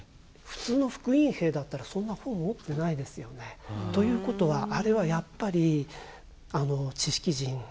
普通の復員兵だったらそんな本持ってないですよね。ということはあれはやっぱり知識人なのかなと思うんですね。